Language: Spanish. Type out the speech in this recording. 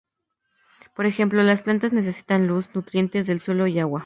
Por ejemplo, las plantas necesitan luz, nutrientes del suelo y agua.